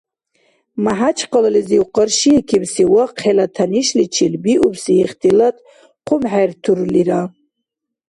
МяхӀячкъалализив къаршиикибси вахъхӀила тянишличил биубси ихтилат хъумхӀертурлира.